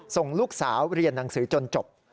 ส่งลูกสาวเรียนหนังสือจนจบ